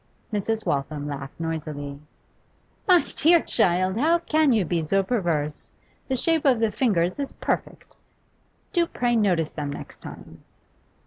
Mrs. Waltham laughed noisily. 'My dear child, how can you be so perverse? The shape of the fingers is perfect. Do pray notice them next time.